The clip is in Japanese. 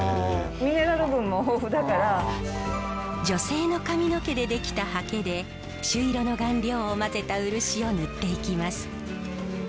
女性の髪の毛で出来たはけで朱色の顔料を混ぜた漆を塗っていきます。